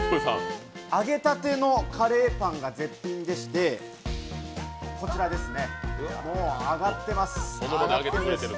揚げたてのカレーパンが絶品でして、こちら、もう揚がってます。